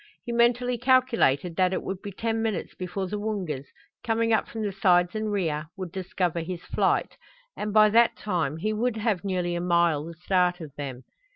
He mentally calculated that it would be ten minutes before the Woongas, coming up from the sides and rear, would discover his flight, and by that time he would have nearly a mile the start of them.